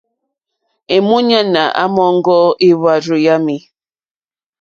Èmúɲánà àmɔ̀ŋɡɔ́ éhwàrzù yámì.